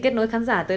xin chào và hẹn gặp lại